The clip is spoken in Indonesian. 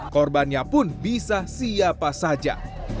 korbannya pun bisa siapa saja